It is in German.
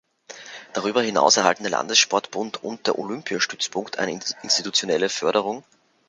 Darüber hinaus erhalten der Landessportbund und der Olympiastützpunkt eine institutionelle Förderung.